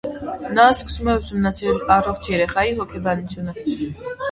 Նա սկսում է ուսումնասիրել առողջ երեխայի հոգեբանությունը։